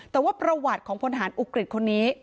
แต่ว่าประวัติของพลฐานอุกฤษคนนี้